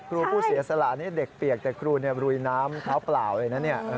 ครูกูเสียสละเด็กเปียกแต่ครูรุยน้ำแล้วเปล่าเลย